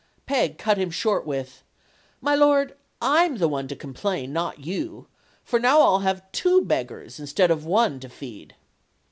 Peg cut him short with: "My lord, I'm the one to complain; not you. For now I'll have two beggars, instead of one, to feed."